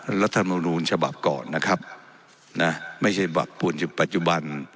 อ่ารัฐมนุญชบับก่อนนะครับนะไม่ใช่บับปุ่นปัจจุบัน